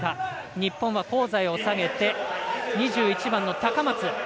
日本は香西を下げて２１番の高松。